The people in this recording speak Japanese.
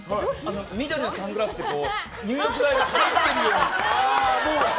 緑のサングラスで入浴剤が入っているように。